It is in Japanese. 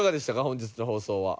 本日の放送は。